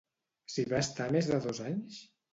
S'hi va estar més de dos anys?